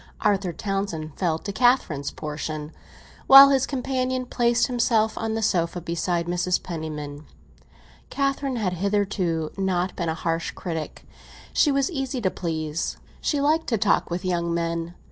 Arthur Townsend fell to Catherine's portion, while his companion placed himself on the sofa, beside Mrs. Penniman. Catherine had hitherto not been a harsh critic; she was easy to please—she liked to talk with young men.